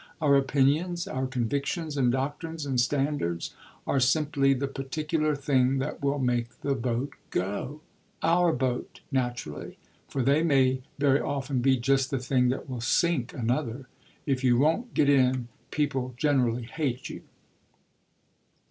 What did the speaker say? Our opinions, our convictions and doctrines and standards, are simply the particular thing that will make the boat go our boat, naturally, for they may very often be just the thing that will sink another. If you won't get in people generally hate you."